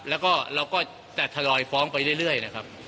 แล้วก็เราก็จะทยอยฟ้องไปเรื่อยนะครับ